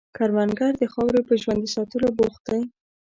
کروندګر د خاورې په ژوندي ساتلو بوخت دی